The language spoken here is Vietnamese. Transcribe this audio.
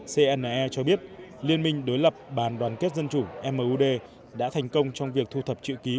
cne cho biết liên minh đối lập bàn đoàn kết dân chủ mud đã thành công trong việc thu thập chữ ký